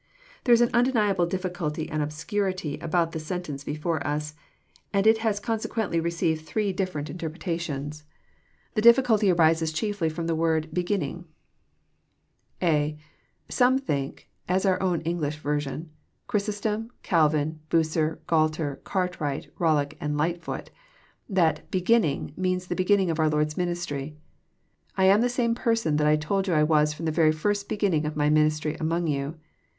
\ There is an undeniable difficulty and obscurity about the sen« tence before us, and it has consequently received three different 96 EXPOSITORY THOUGHTS, InterprctatloTis. The dlfflcalty arises chiefly Arom the word " beginning/* (a) Some tbink, as onr own English version, Chrysostom, Csdvln, Bncer, Gualter, Cartwright, Bollock, and Ltgbtfoot, that beginning " means the beginning of our Lord's ministry. *' I am the same person that I told yon I was fi'om the very first beginning of My ministry among you."